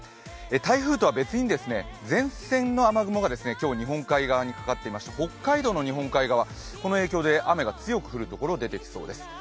台風とは別に前線の雨雲が今日、日本海側にかかってまして北海道の日本海側この影響で雨が強く降るところが出てきそうです。